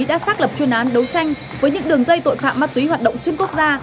đã xác lập chuyên án đấu tranh với những đường dây tội phạm ma túy hoạt động xuyên quốc gia